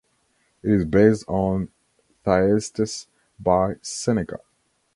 It is based on "Thyestes" by Seneca.